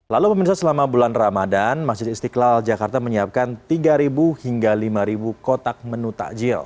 lalu pemirsa selama bulan ramadan masjid istiqlal jakarta menyiapkan tiga hingga lima kotak menu takjil